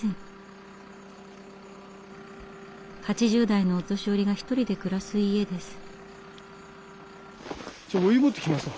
８０代のお年寄りが１人で暮らす家です。